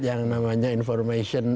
yang namanya information